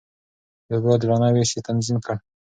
د اوبو عادلانه وېش يې تنظيم کړ.